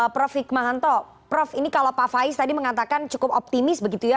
prof hikmahanto prof ini kalau pak faiz tadi mengatakan cukup optimis begitu ya